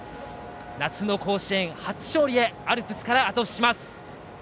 夏の甲子園初勝利へアルプスからあと押しします。